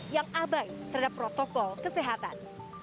yang abai terhadap protokol kesehatan